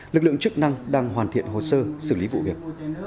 lực lượng chức năng đang hoàn thiện hồ sơ xử lý vụ việc